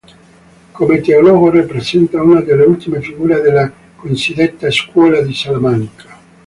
Come teologo rappresenta una delle ultime figure della cosiddetta scuola di Salamanca.